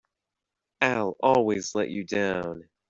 I'll always let you down!